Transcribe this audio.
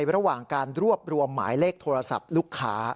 ระหว่างการรวบรวมหมายเลขโทรศัพท์ลูกค้า